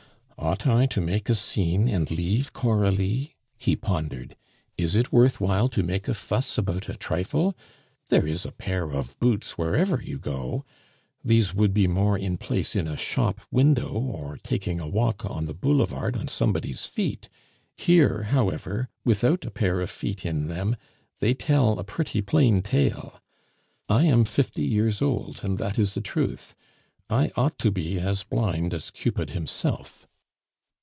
"Ought I to make a scene and leave Coralie?" he pondered. "Is it worth while to make a fuss about a trifle? There is a pair of boots wherever you go. These would be more in place in a shop window or taking a walk on the boulevard on somebody's feet; here, however, without a pair of feet in them, they tell a pretty plain tale. I am fifty years old, and that is the truth; I ought to be as blind as Cupid himself."